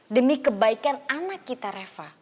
demi kebaikan anak kita reva